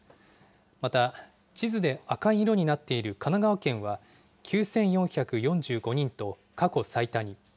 また、地図で赤い色になっている神奈川県は、９４４５人と過去最多に。